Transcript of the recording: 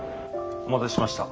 お待たせしました。